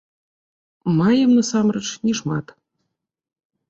Маем, насамрэч, не шмат.